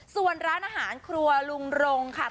ส่วนร้านอาหารครัวลุงรงค่ะ